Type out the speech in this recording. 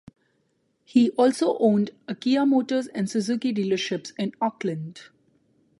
He also owned a Kia Motors and Suzuki dealerships in Auckland.